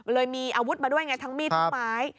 มีอาวุธมาด้วยไงทั้งมีดทั้งไม้